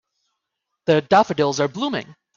The daffodils are blooming.